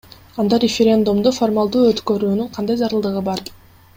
Анда референдумду формалдуу өткөрүүнүн кандай зарылдыгы бар?